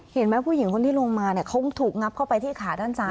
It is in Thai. เห็นไหมผู้หญิงคนที่ลงมาเนี่ยเขาถูกงับเข้าไปที่ขาด้านซ้าย